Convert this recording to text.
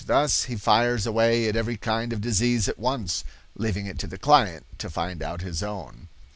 Thus he fires away at every kind of disease at once, leaving it to the client to find out his own.